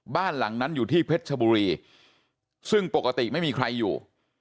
บ้านหลังนั้นอยู่ที่เพชรชบุรีซึ่งปกติไม่มีใครอยู่